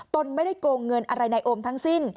ตนไม่ได้โกงเงินอะไรในโอมทั้งสิ้น